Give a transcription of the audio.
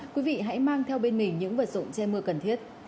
quý vị hãy mang theo bên mình những vật dụng che mưa cần thiết